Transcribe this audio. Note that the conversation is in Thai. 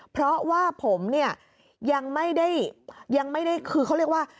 เพราะว่าผมเนี่ยยังไม่ได้คือเขาเรียกว่า